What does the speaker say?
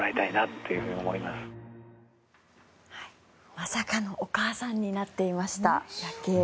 まさかのヤケイがお母さんになっていました。